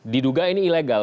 diduga ini ilegal